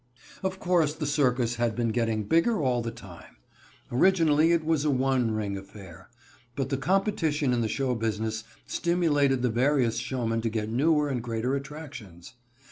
Of course the circus had been getting bigger all the time. Originally it was a one ring affair. But the competition in the show business stimulated the various showmen to get new and greater attractions.